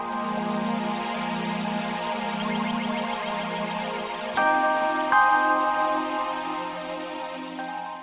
akibatnya tuhan menubuhkan